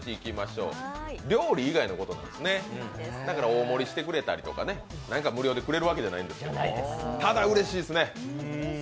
大盛りしてくれたりとか何か無料でくれるわけじゃないんですけどただ、うれしいですね。